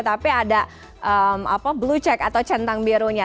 tapi ada blue check atau centang birunya